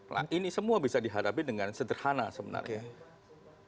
nah ini semua bisa dihadapi dengan sederhana sebenarnya